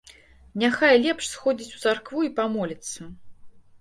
Няхай лепш сходзіць у царкву і памоліцца.